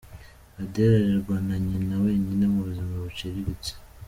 Adele arerwa na nyina wenyine mu buzima buciriritse.